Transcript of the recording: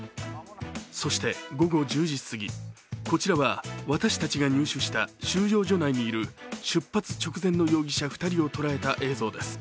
そして午後１０時過ぎ、こちらは私たちが入手した収容所内にいる出発直前の容疑者２人を捉えた映像です。